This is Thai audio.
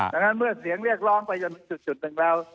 ดังนั้นเมื่อเสียงเรียกร้องไปจนถึงจุดหนึ่งแล้ว